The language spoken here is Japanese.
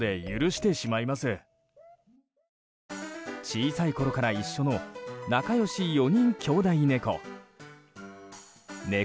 小さいころから一緒の仲良し４人きょうだい猫。